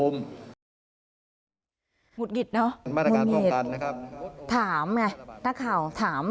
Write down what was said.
งุดหงิดเนาะงุ้มียีดถามไงนักข่าวถาม